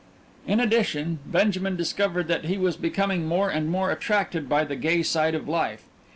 In addition, Benjamin discovered that he was becoming more and more attracted by the gay side of life.